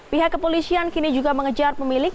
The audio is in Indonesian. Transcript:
pihak kepolisian kini juga mengejutkan